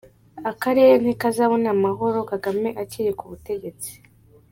Akarere ntikazabona amahoro Kagame akiri ku butegetsi.